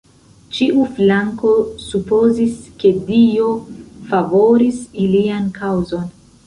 Ĉiu flanko supozis, ke Dio favoris ilian kaŭzon.